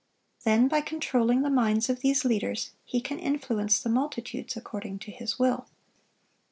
Then, by controlling the minds of these leaders, he can influence the multitudes according to his will.